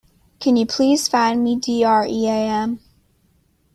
Can you please find me D.R.E.A.M.?